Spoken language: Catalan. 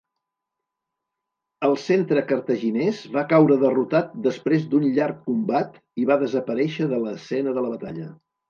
El centre cartaginès va caure derrotat després d'un llarg combat i va desaparèixer de l'escena de la batalla.